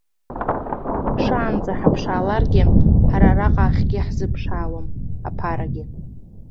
Шаанӡа ҳаԥшааларгьы ҳара араҟа ахьгьы ҳзыԥшаауам, аԥарагьы.